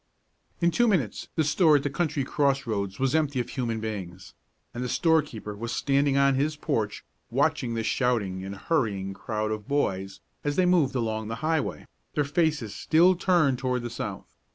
In two minutes the store at the country cross roads was empty of human beings, and the storekeeper was standing on his porch watching the shouting and hurrying crowd of boys as they moved along the highway, their faces still turned toward the south.